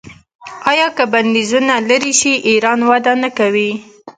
آیا که بندیزونه لرې شي ایران وده نه کوي؟